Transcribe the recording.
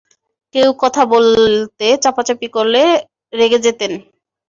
কেউ কথা বলতে চাপাচাপি করলে রেগে যেতেন।